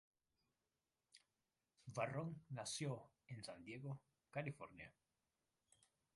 Barron nació en San Diego, California.